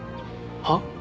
はっ？